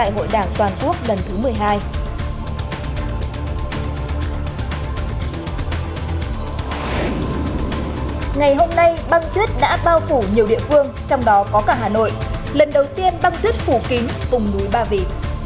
hôm nay băng tuyết đã bao phủ nhiều địa phương trong đó có cả hà nội lần đầu tiên băng tuyết phủ kín cùng núi ba vị